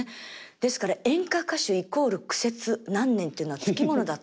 ですから演歌歌手イコール苦節何年っていうのは付き物だと。